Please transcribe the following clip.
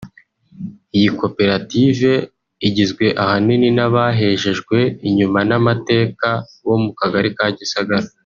Iyi koperative igizwe ahanini n’abahejejewe inyuma n’amateka bo mu Kagari ka Gisagara